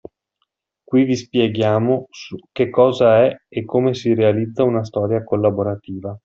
Qui vi spieghiamo che cosa è e come si realizza una storia collaborativa.